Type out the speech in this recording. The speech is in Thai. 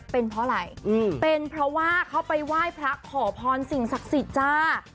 เป็นเพราะอะไรเป็นเพราะว่าเขาไปไหว้พระขอพรสิ่งศักดิ์สิทธิ์จ้า